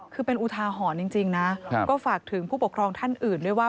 คือเป็นอุทาหรณ์จริงนะก็ฝากถึงผู้ปกครองท่านอื่นด้วยว่า